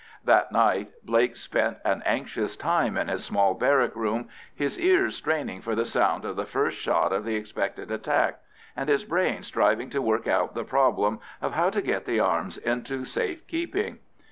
That night Blake spent an anxious time in his small barrack room, his ears straining for the sound of the first shot of the expected attack, and his brain striving to work out the problem of how to get the arms into safe keeping.